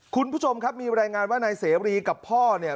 คุณผู้ชมครับมีรายงานว่านายเสรีกับพ่อเนี่ย